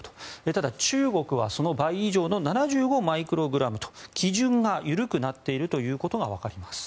ただ、中国はその倍以上の７５マイクログラムと基準が緩くなっているということがわかります。